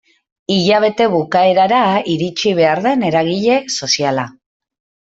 Hilabete bukaerara iritsi behar den eragile soziala.